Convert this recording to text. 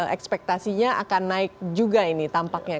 ekspektasinya akan naik juga ini tampaknya